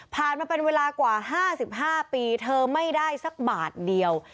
มาเป็นเวลากว่า๕๕ปีเธอไม่ได้สักบาทเดียว